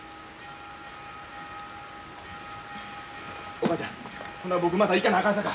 お母ちゃんほな僕また行かなあかんさか。